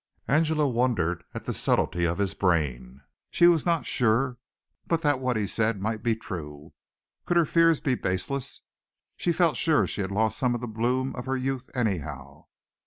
Angela wondered at the subtlety of his brain. She was not sure but that what he said might be true. Could her fears be baseless? She felt sure she had lost some of the bloom of her youth anyhow.